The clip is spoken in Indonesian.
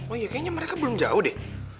oh ya kayaknya mereka belum jauh deh